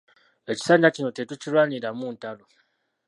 Ekisanja kino tetukirwaniramu ntalo.